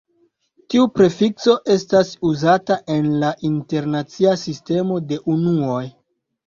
Tiu prefikso estas uzata en la internacia sistemo de unuoj.